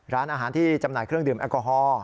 ร้านอาหารที่จำหน่ายเครื่องดื่มแอลกอฮอล์